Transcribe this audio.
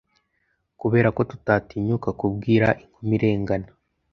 kubera ko tutatinyuka kubwira inkumi irengana